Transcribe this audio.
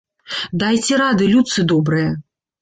Дайце рады, людцы добрыя!